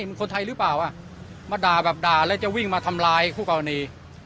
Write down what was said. มันคนไทยหรือเปล่าอ่ะมาด่าแบบด่าแล้วจะวิ่งมาทำร้ายคู่กรณี